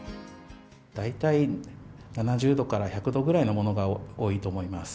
大体７０度から１００度ぐらいのものが多いと思います。